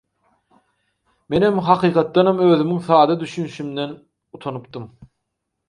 Menem hakykatdanam özümiň sada düşünşimden utanypdym.